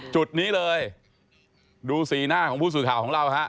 จุดนี้เลยดูสีหน้าของผู้สื่อข่าวของเราฮะ